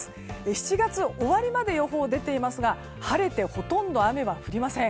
７月終わりまで予報出ていますが晴れてほとんど雨は降りません。